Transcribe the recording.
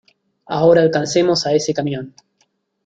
¡ Ahora alcancemos a ese camión!